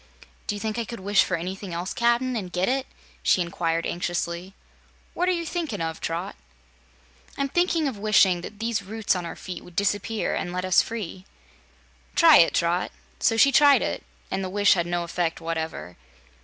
"Do you think I could wish for anything else, Cap'n and get it?" she inquired anxiously. "What are you thinkin' of, Trot?" "I'm thinking of wishing that these roots on our feet would disappear, and let us free." "Try it, Trot." So she tried it, and the wish had no effect whatever.